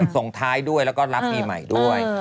ส่งท้ายด้วยแล้วก็รับปีใหม่ด้วย